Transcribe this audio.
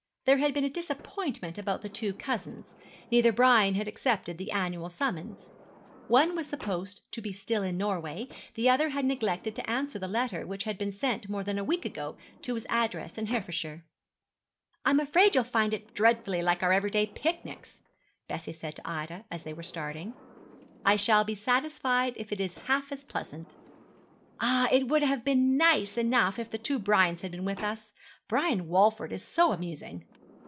There had been a disappointment about the two cousins. Neither Brian had accepted the annual summons. One was supposed to be still in Norway, the other had neglected to answer the letter which had been sent more than a week ago to his address in Herefordshire. 'I'm afraid you'll find it dreadfully like our every day picnics,' Bessie said to Ida, as they were starting. 'I shall be satisfied if it be half as pleasant.' 'Ah, it would have been nice enough if the two Brians had been with us. Brian Walford is so amusing.'